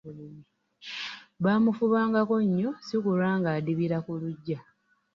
Baamufubangako nnyo sikulwanga adibira ku luggya.